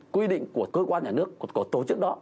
quy định của cơ quan nhà nước của tổ chức đó